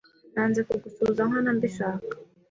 Nanze kugusuhuza nkana mbishaka